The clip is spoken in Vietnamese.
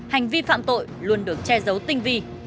hành vi phạm tội luôn được che giấu tinh vi